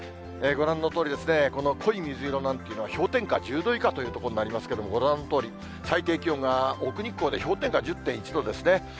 ご覧のとおり、この濃い水色なんていうのは、氷点下１０度以下という所になりますけれども、ご覧のとおり、最低気温が奥日光で氷点下１０．１度ですね。